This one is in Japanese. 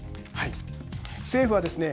政府はですね